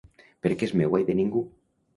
Perquè és meua i de ningú.